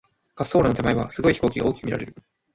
滑走路の手前は、すごい飛行機が大きく見られる。